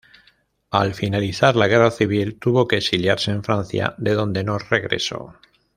Al finalizar la guerra civil, tuvo que exiliarse en Francia, de donde no regresó.